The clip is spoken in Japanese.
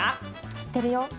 知ってるよ。